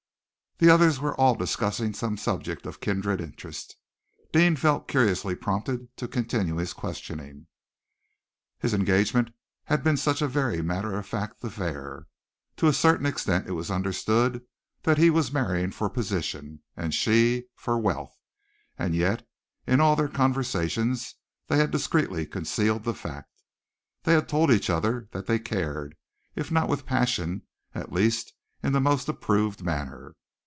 The others were all discussing some subject of kindred interest. Deane felt curiously prompted to continue his questioning. His engagement had been such a very matter of fact affair. To a certain extent it was understood that he was marrying for position, and she for wealth. And yet in all their conversations they had discreetly concealed the fact. They had told each other that they cared, if not with passion, at least in the most approved manner.